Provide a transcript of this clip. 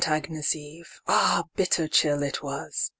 AGNES' Eve—Ah, bitter chill it was!